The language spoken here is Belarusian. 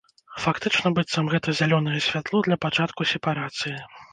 Фактычна быццам гэта зялёнае святло для пачатку сепарацыі.